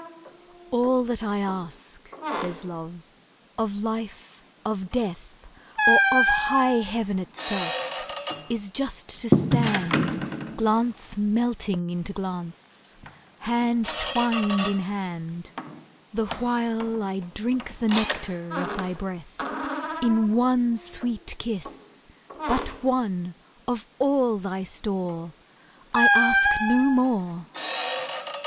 "All that I ask," says Love, "of life, of death, Or of high heaven itself, is just to stand, Glance melting into glance, hand twined in hand, The while I drink the nectar of thy breath In one sweet kiss, but one, of all thy store, I ask no more."